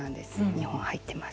２本入ってます。